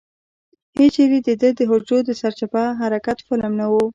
هېچېرې دده د حجرو د سرچپه حرکت فلم نه و.